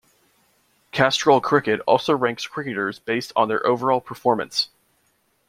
Castrol Cricket also ranks cricketers based on their overall performance.